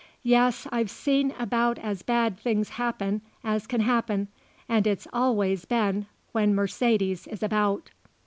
"Yes, I've seen about as bad things happen as can happen, and it's always been when Mercedes is about."